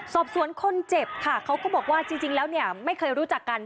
สอบสวนคนเจ็บค่ะเขาก็บอกว่าจริงแล้วเนี่ยไม่เคยรู้จักกัน